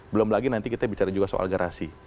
belum lagi nanti kita bicara juga soal garasi